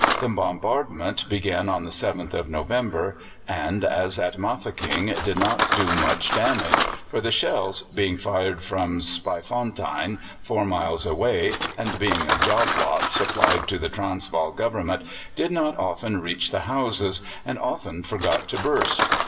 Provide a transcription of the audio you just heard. The bombardment began on the 7th of November, and, as at Mafeking, did not do much damage, for the shells, being fired from Spytfontein, four miles away, and being a "job lot" supplied to the Transvaal Government, did not often reach the houses, and often forgot to burst.